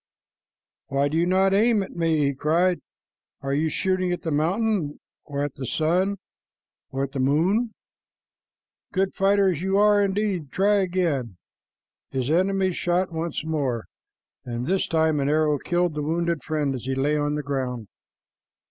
"Why do you not aim at me?" he cried. "Are you shooting at the mountain, or at the sun and the moon? Good fighters you are, indeed! Try again." His enemies shot once more, and this time an arrow killed the wounded friend as he lay on the ground.